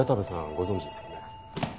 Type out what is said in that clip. ご存じですよね？